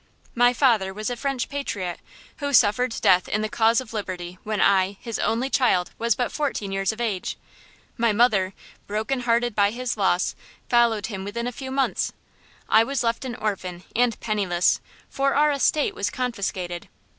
"My father was a French patriot, who suffered death in the cause of liberty when I, his only child, was but fourteen years of age. My mother, broken hearted by his loss, followed him within a few months. I was left an orphan and penniless, for our estate was confiscated."